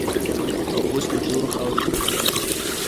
او اوس په تورو خاورو کې پراته دي.